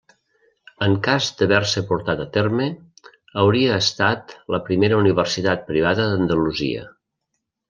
En cas d'haver-se portat a terme, hauria estat la primera universitat privada d'Andalusia.